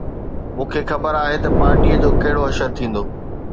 مون کي خبر آهي ته پارٽيءَ جو ڪهڙو حشر ٿيندو